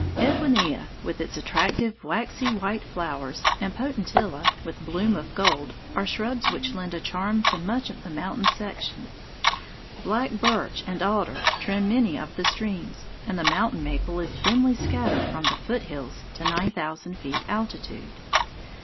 Edwinia, with its attractive waxy white flowers, and potentilla, with bloom of gold, are shrubs which lend a charm to much of the mountain section. Black birch and alder trim many of the streams, and the mountain maple is thinly scattered from the foothills to nine thousand feet altitude.